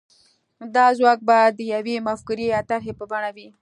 دا ځواک به د يوې مفکورې يا طرحې په بڼه وي.